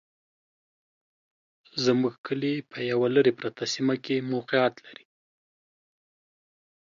زموږ کلي په يوه لري پرته سيمه کي موقعيت لري